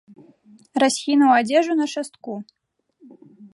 Расхінуў адзежу на шастку.